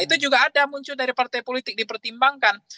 itu juga ada muncul dari partai politik dipertimbangkan